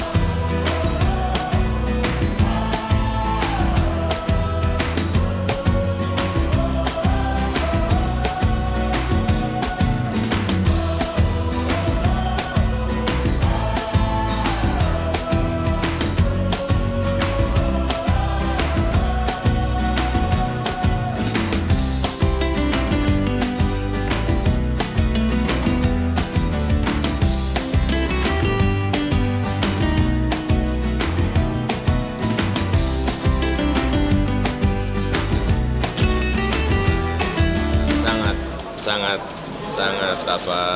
tadi di babak kedua